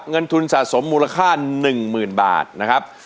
เงินทุนสะสมมูลค่า๑๐๐๐บาทนะครับ